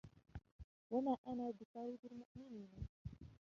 وما أنا بطارد المؤمنين